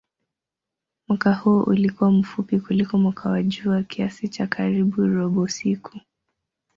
Mwaka huo ulikuwa mfupi kuliko mwaka wa jua kiasi cha karibu robo siku.